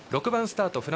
６番スタート